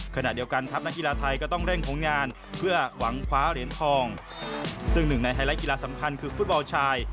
ขณะเดียวกันทัพนักกีฬาไทยก็ต้องเร่งของงานเพื่อหวังคว้าเหรียญทองซึ่งหนึ่งในไฮไลท์กีฬาสำคัญคือฟุตบอลชาย